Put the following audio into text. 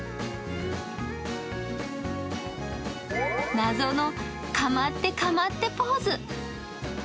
謎のかまってかまってポーズ。